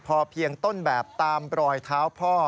พอเพียงต้นแบบตามรอยเท้าพ่อ